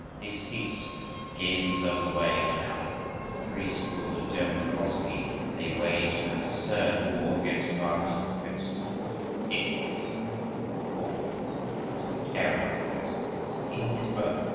The æsthetes gave themselves away when out of three schools of German philosophy they waged an absurd war against Wagner's principles with "ifs" and "fors"—what did he care about principles, even his own!